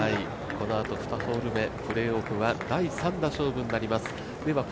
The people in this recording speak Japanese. このあと２ホール目、プレーオフは第３打勝負になります。